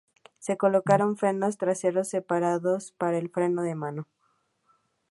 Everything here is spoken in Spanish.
Se colocaron frenos traseros separados para el freno de mano.